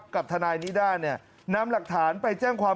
กับทนายนิด้าเนี่ยนำหลักฐานไปแจ้งความ